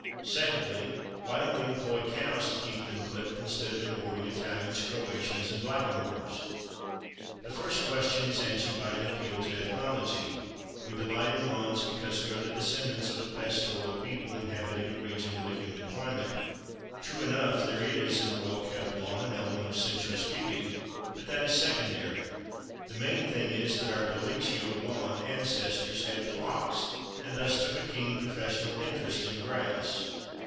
Secondly, why don't we employ cows to keep them clipped, instead of importing Italians, Croatians and blackamoors? The first question is answered by an appeal to ethnology: we delight in lawns because we are the descendants of "a pastoral people inhabiting a region with a humid climate." True enough, there is in a well kept lawn "an element of sensuous beauty," but that is secondary: the main thing is that our dolicho blond ancestors had flocks, and thus took a keen professional interest in grass.